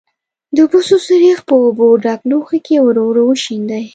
د بوسو سريښ په اوبو ډک لوښي کې ورو ورو وشیندئ.